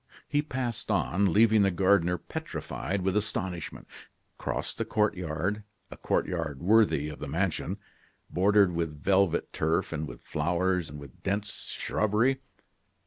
He passed on, leaving the gardener petrified with astonishment, crossed the court yard a court yard worthy of the mansion, bordered with velvet turf, with flowers, and with dense shrubbery.